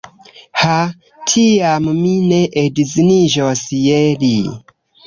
Ha! tiam mi ne edziniĝos je li.